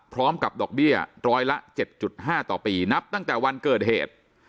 พร้อมกับดอกเบี้ยร้อยละ๗๕ต่อปีนับตั้งแต่วันเกิดเหตุ